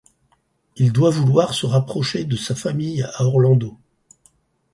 Il doit vouloir se rapprocher de sa famille à Orlando.